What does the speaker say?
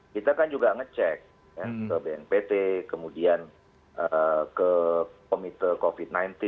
kita kan juga ngecek ke bnpt kemudian ke komite covid sembilan belas